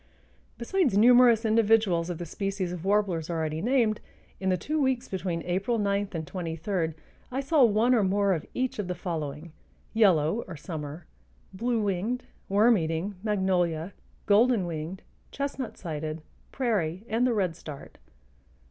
Besides numerous individuals of the species of warblers already named, in the two weeks between April 9 and 23 I saw one or more of each of the following: Yellow or summer, bluewinged, worm eating, magnolia, golden winged, chestnut sided, prairie, and the redstart.